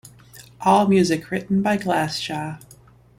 All music written by Glassjaw.